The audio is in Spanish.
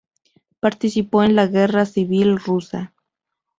Participó en la guerra civil rusa.